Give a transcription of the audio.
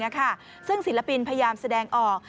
เพลงหนึ่งนะค่ะซึ่งศิลปินพยายามแสดงออก